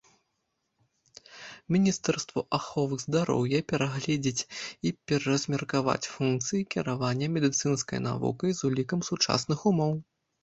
Міністэрству аховы здароўя перагледзець і пераразмеркаваць функцыі кіравання медыцынскай навукай з улікам сучасных умоў.